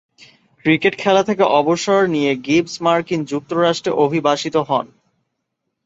Cricket খেলা থেকে অবসর নিয়ে গিবস মার্কিন যুক্তরাষ্ট্রে অভিবাসিত হন।